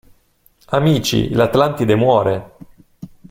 Amici, l'Atlantide muore!